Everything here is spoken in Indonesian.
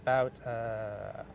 setiap atas atas